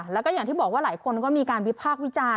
แล้วก็อย่างที่บอกว่าหลายคนก็มีการวิพากษ์วิจารณ์